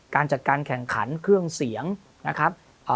การจัดการแข่งขันเครื่องเสียงนะครับ